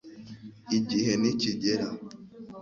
igihe nikigera